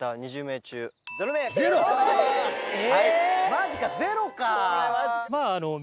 マジかゼロか。